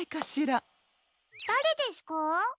だれですか？